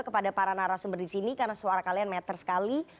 kepada para narasumber disini karena suara kalian meter sekali